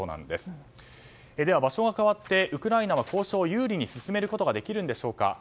では場所は変わってウクライナは交渉を有利に進めることができるんでしょうか。